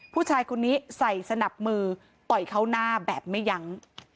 ผู้ชายคนนี้ใส่สนับมือต่อยเขาหน้าแบบไม่ยั้ง